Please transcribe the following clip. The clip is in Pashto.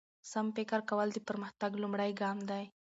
سم فکر کول د پرمختګ لومړی ګام دی.